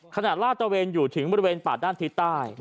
ลาดตะเวนอยู่ถึงบริเวณป่าด้านทิศใต้